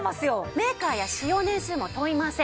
メーカーや使用年数も問いません。